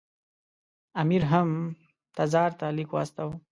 امیر هم تزار ته لیک واستاوه.